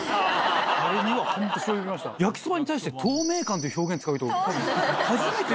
焼きそばに対して「透明感」って表現使う人初めて。